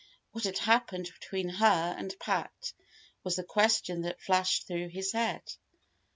What had happened between her and Pat? was the question that flashed through his head.